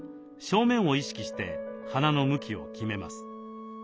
正面を意識して花の向きを決めます。